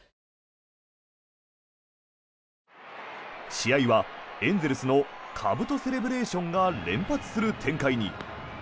試合はエンゼルスのかぶとセレブレーションが連発する展開に。